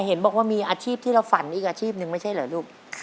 เห็นบอกว่ามีอาชีพที่เราฝันอีกอาชีพหนึ่งไม่ใช่เหรอลูก